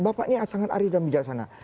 bapak ini sangat adil dan bijaksana